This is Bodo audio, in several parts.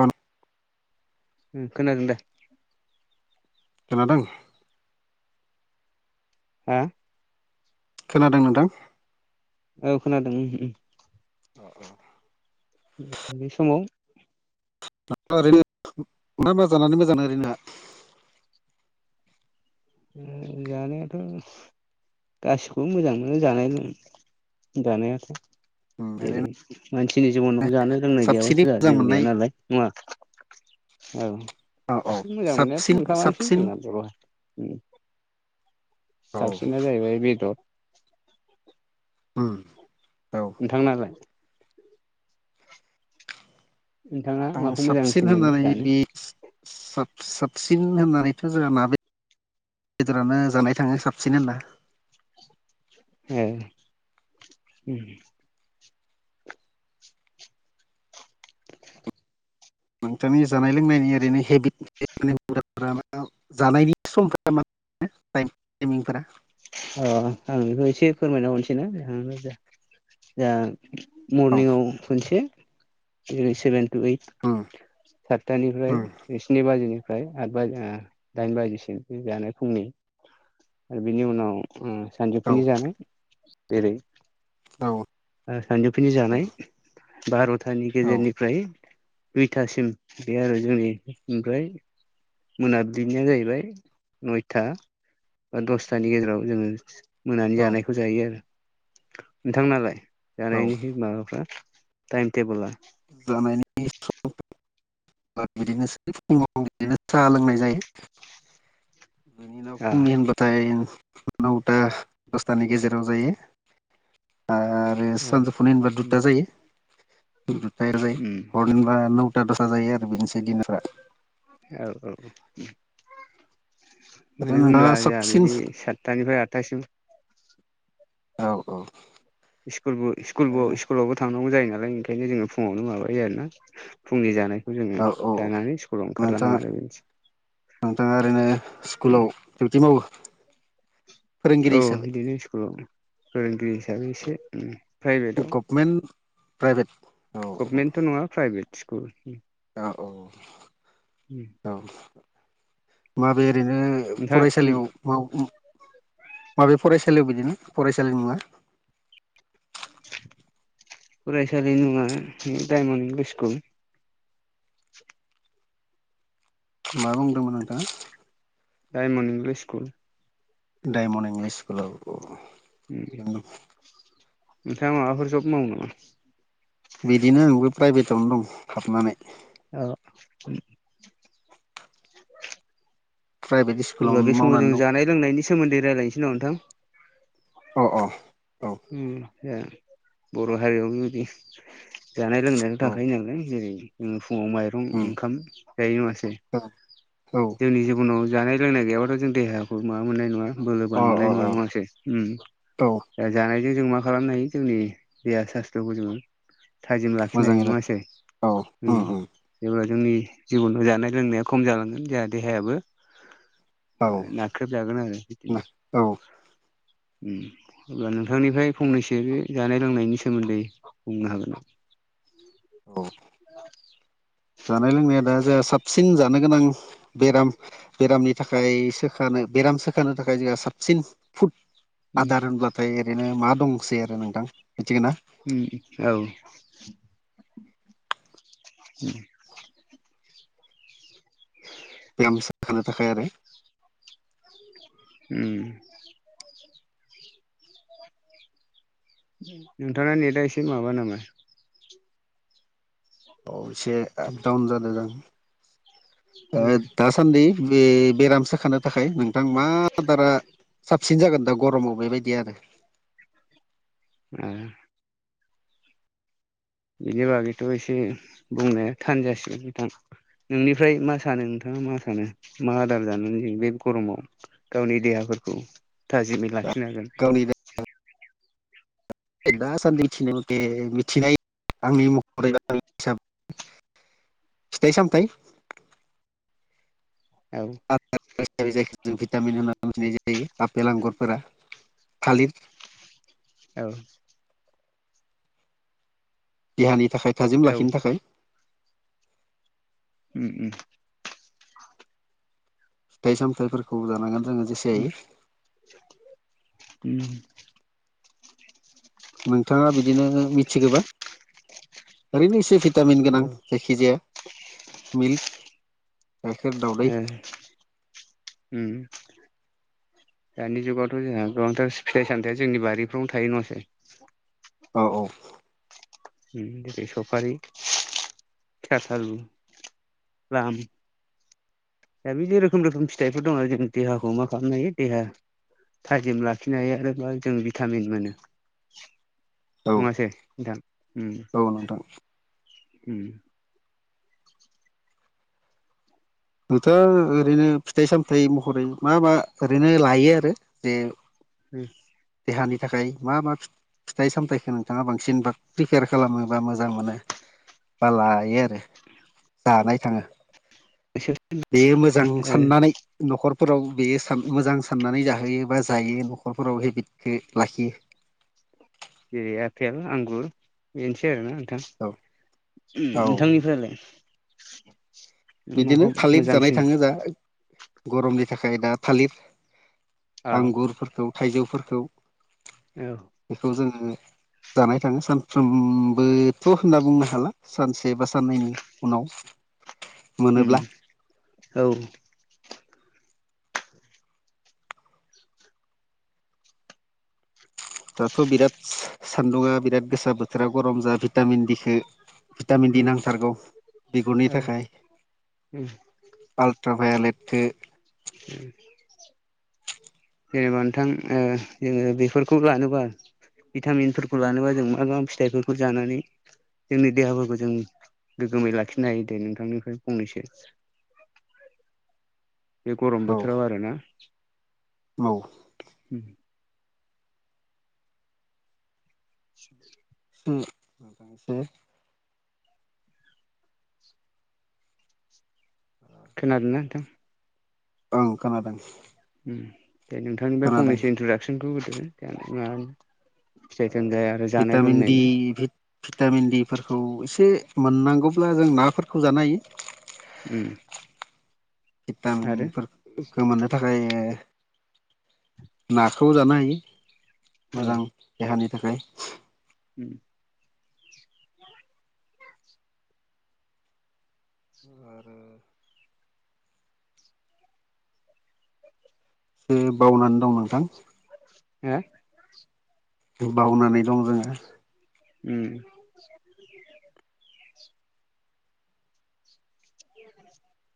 अन उम खोनादों दा? खोनादों। हा। खोनादों नोंथाङ? औ खोनादों उमह उमह। अ अ। बे समाव ओरैनो मा मा जानानै मोजां मोनो ओरैनो? ओम जानायाथ' गासिखौबो मोजां मोनो जानाय लोंनाय जानायाथ'। उम जेरै ओरैनो मानसिनि जिबनाव जानो लोंनाय साबसिनै गैयाब्लासो जोंहा मोजां जेबो गैया मोननाय नालाय नङा? औव। औ औ दासिम मोजां मोननायाथ' साबसिन ओंखामानोसै साबसिन जोंना जोंनाथ ओ औ साबसिना जाहैबाय बेदर। ओम। नोंथां नालाय? नोंथाङा आं माखौ मोजांसिन साबसिन मोनो होनजानाय जानो बे साब साबसिन होननानैथ' जोंङो ना बेद बेदेरानो जानाय थाङो साबसिन होनबा। ए ओम नोंथांनि जानाय लोंनायनि ओरैनो हेबिटा [unintelligible] जानायनि समफोरा मा टाइमिंफोरा अ आं बेखौ एसे फोरमायना हरनोसैना [unintelligible] औ मरनिंआव खनसे जेरै सेभेन। दुय उम सातथानिफ्राय उम स्नि बाजिनि फ्राय आ आत बाजि ओ दाइन बाजिसिम बे जानाय फुंनि बिनि उनाव उम औ सानजौफुनि जानाय जेरै औ सानजौफुनि जानाय बार'थानि औ गेजेरनिफ्राय दुइथासिम बे आरो जोंनि ओमफ्राय मोनाबिलिनिया जाहैबाय नयथा बा दस थानि गेजेराव जोङो मोनानि औ जानायखौ जायो आरो नोंथांनालाय। औ जानायनि माबाफ्रा टाइम टेबोला। जानायनि सम बिदिनोसै फुङाव बिदिनो साहा लोंनाय जायो। बिनि उनाव औ फुंनि होनबाथाइ नौथा दसथानि गेजेराव जायो। आरो औ सानजौफुनाय होनबा दुथा जायो। फाय जायो हर दिनहोनबा नौथा दस जायो। आरो बेनोसै दिनारफ्रा औ औ मानो ओरैनो होनब्ला नोंथाङा जोंहा साबसिन बिदि सातथानिफ्राय आठथासिम औ औ स्कुलबो स्कुलबोआव ओरैनो स्कुलावबो थांनांगौ जायो नालाय ओंखायनो जोङो फुङावनो माबायो आरोना फुंनि जानाय खौ जोङो औ औ जानानै स्कुलाव ओंखारलाङो नोंथाङा आरो बेनोसै। नोंथाङा ओरैनो स्कुलाव डिउटि मावो। फोरोंगिरि औव हिसाबै बिदिनो स्कुलाव फोरोंगिरि हिसाबै एसे प्राइभेटआव। Government private. औ गभमेन्टथ' नङा प्राइभेट स्कुल। ओ औ औ माबे ओरैनो नोंथां फरायसालियाव माव माबे फराय सालि बिदिनो फरायसालिनि मुंआ फरायसालि मुंआ डाइमन इंलिस स्कुल। मा बुंदोंमोन नोंथां‌ डायमन इंलिस स्कुल। डायमन इंलिस स्कुलाव औ ओम नोंथाङा माबाफोर जब मावो नामा बिदिनो आंबो प्राइभेटआवनो दं हाबनानै औ प्राइभेट अब्ला स्कुलावनो बे समाव जों मावनानै दं जानाय लोंनायनि सोमोन्दै रायज्लायनोसै नामा नोंथां अह अह [unintelligible] जानाय लोंनायाथ' औ थाखायो नालाय जेरै माइरं उम ओंखाम जायो नङासे औ जोंनि जिबनाव जानाय लोंनाय गैयाबाथ' जों देहाखौ माबा मोननाय नङा बोलोबान अ मोननाय अ नङा अ नङासे औ जानायजों जों मा खालामनो हायो जोंनि देहा सास्थ्र'खौ जोङो थाजिम लाखिनो हायो मोजाङैनो नङासै औ उम उम जेब्ला जोंनि जिबनाव जानाय लोंनाया खम जालांगोन जोंहा देहायाबो औ नाख्रेबजागोन आरो बिदिनो औ अब्ला नोंथांनिफ्राय फंनैसो बे जानाय लोंनायनि सोमोन्दै बुंनो हागोन नामा? औ [inaudible] जानाय लोंनाया दा जोंहा साबसि सिन जानो गोनां बेराम बेरामनि थाखाय सोखानो बेराम सोखानो थाखाय जोंहा साबसिन फुद उम आदार होनब्लाथाय ओरैनो मा दंसै आरो नोंथां? मिथिगोना ओम औ [inaudible] [inaudible] बेराम सोखानो थाखाय आरो ओम नोंथांना नेटआ एसे माबा नामा? औ एसे आपडाउन जादों उम । [inaudible] दासान्दि बे बेराम सोखानो थाखाय नोंथां मा दारा साबसिन जागोन दा गरमाव बेबायदि आरो? एह बिनि बागैथ' एसे बुंनाया थानजासिगोन नोंथां नोंनिफ्राय मा सानो नोंथां? नों मा सानो मा आदार जानो जों बे गरमाव गावनि देहाफोरखौ थाजिमै दा लाखिनो हागोन? गावनि [unintelligible] फिथाइ सामथाइ औ जायखौ जों भिटामिन होनानै मिथिनाय जायो आपेल आंगुरफोरा थालिर औ देहानि थाखाय थाजिम औ लाखिनो थाखाय ओम ओम फिथाइ सामथाइफोरखौ जानांगोन जोङो जेसेहायो। ओम नोंथाङा बिदिनो मिथिगोबा ओरैनो एसे भिटामिन औ गोनां जायखिजाया [inaudible] मि एह [inaudible] ओम दानि जुगावथ' जोंहा गोबांथार फिथाइ सामथायाइया जोंनि बारिफ्रावनो थायो नङासै। औ औ बे सफारि [unintelligible] प्लाम दा बिदि रोखोम रोखोम फिथाइफोर दङ जों देहाखौ मा खालामनो हायो देहा थाजिम लाखिनो हायो आरो बा जों भिटामिन मोनो। औ औ नङासे नोंथां? ओम औ नोंथां [inaudible] ओम नोंथ' ओरैनो फिथाइ सामथायाइ महरै मा मा ओरैनो लायो आरो जे ओ देहानि थाखाय मा मा फि-फिथाइ सामथायाइखौ नोंथाङा बांसिन प्रिपेयार खालामो बा मोजां मोनो? बा लायो आरो, जानाय थाङो। बेयो मोजां जेरै साननानै न'खर फोराव बेयोन मोजां साननानै जाहोयो बा जायो न'खरफोराव हेबिटखौ लाखियो। जेरै आपेल आंगुर बेनोसै आरोना नोंथां औ उम औ नोंथांनिफ्रायालाय बिदिनो थालिर जानाय थाङो जा गरमनि थाखाय दा थालिर। औ आंगुरफोरखौ थाइजौफोरखौ औ बेखौ जोङो जानाय थाङो सानफ्रोमबोथ' होनना बुंनो हाला सानसे बा साननैनि उनाव मोनोब्ला उम [inaudible] औ दाथ' बिराद सान्दुङा बिराद गोसा बोथोरा गरम जा भिटामिन दिखौ भिटामिन दि नांथारगौ बिगुरनि औ थाखाय उम पाल्ट्राभायलेट थो [unintelligible] जेनेबा नोंथां ओ जोङो बेफोरखौ लानोबा भिटामिनफोरखौ लानोबा जों मा मा फिथाइफोरखौ जानानै जोंनि देहाफोरखौ जों गोग्गोमै लाखिनो हायो दे नोंथांनिफ्राय फंनैसो? बे गरम बथोराव आरोना? औ उम [inaudible] उम खोनादोंनो नोंथां? ओं खोनादों । उम दे नोंथांनिफ्राय फंनैसो इन्ट्रदाक्सनखौ होदो देन माबानि? ओ भिटामिन दि पिटामिन दि फोरफोरखौ एसे मोननांगौब्ला जों नाफोरखौ जानो हायो । उम आरो भिटामिनफोरखौ मोननो थाखाय ओ नाखौ जानो हायो मोजां देहानि थाखाय । उम आरो ओ बावनानै दं नोंथां । ओ बावनानै दं जोङो । उम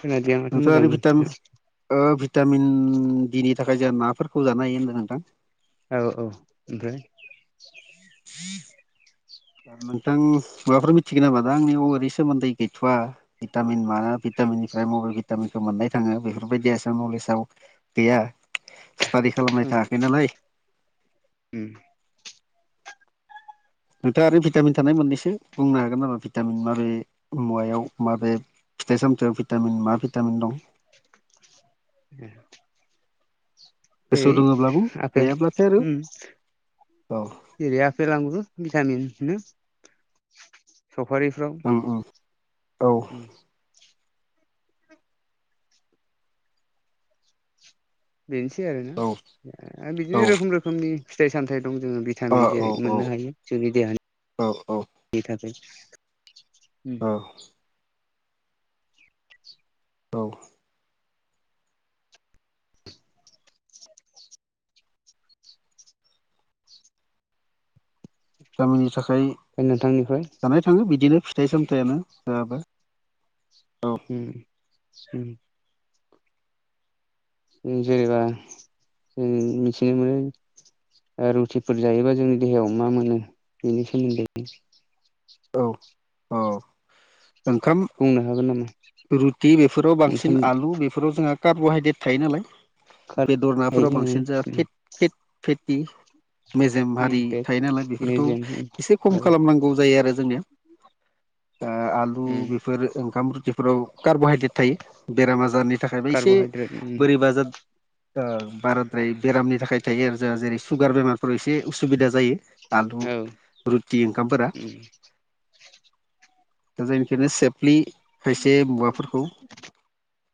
खोनादिया माथो नोंथाङा आरो मोजांनो भिटामिन नों ओ भिटामिन भि नि थाखाय जों नाफोरखौ जानो हायो होनदों नोंथां? औ औ ओमफ्राय [inaudible] नोंथां माबाफोर मिथिगोन नामा दा आंनियाव ओरै सोमोन्दै गैथ'वा भिटामिन माना भिटामिननिफ्राय मबाइल भिटामिनखौ मोननाय थाङो बेफोरबायदिया नलेजाव गैया । [inaudible] स्टाडि खालामनाय उम थायाखै नालाय उम नोंथाङा आरो भिटामिन थानाय मोननैसो बुंनो हागोन नामा भिटामिन माबे मुवायाव माबे फिथाइ सामथायाइाव भिटामिन मा भिटामिन दं । ए गोसोआव जेरै दङब्ला बुं आफेल गैयाब्लाथाय आरो औ जेरै आपेेल आंगुर भिटामिनमोनो सफारिफ्राव ओं ओं औ उम बेनोसै आरो ना औ आरो औ बिदिनो रोखोम रोखोमनि फिथाइ सामथाय जोङो अ भिटामिन औ जेरै औ मोननो हायो जोंनि औ औ देहानि थाखाय । उम औ औ गावनि थाखाय दा नोंथांनिफ्राय जानाय थाङो बिदिनो फिथाइ सामथायानो जाबा उम उम उम जेनेबा जों मिथिनो मोनो ओ रुटिफोर जायोबा जोंनि देहायाव मा मोनो बेनि सोमोन्दै? औ औ ओंखाम बुंनो हागोन नामा रुटि बेफोराव बांसिन ओंखाम आलु बेफोराव जोंहा कार्बहाइद्रेट थायो नालाय खारै बेदर नाफोराव बांसिन जाहा फिट फिट फेथि मेजेम हारि थायो नालाय बेफोरखौ मेजेम उम एसे औ खम खालामनांगौ जायो आरो जोंनिया आ आलु उम बेफोर ओंखाम रुथिफोराव कार्ब'हाइ ड्रेट थायो बेराम आजारनि थाखायबो एसे कार्ब'हाइद्रेट उम बोरै बाजार भारत ओमफ्राय बेरामनि थाखाय थायो आरो जोंहा जेरै सुगार बेमारफोराव एसे उसुबिदा जायो आलु औ रुटि ओंखामफोरा उम दा जायनिखियानो सेफलि बि खायसे मुवाफोरखौ [unintelligible]